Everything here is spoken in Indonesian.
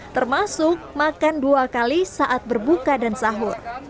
termasuk makan dua kali saat berbuka dan sahur